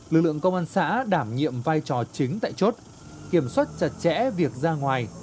lực lượng công an xã đảm nhiệm vai trò chính tại chốt kiểm soát chặt chẽ việc ra ngoài